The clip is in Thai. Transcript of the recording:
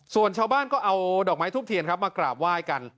ส่วนชาวบ้านก็เอาดอกไม้ทูบเทียนครับมากราบไหว้กัน